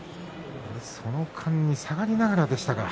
その間に下がりながらでしたか。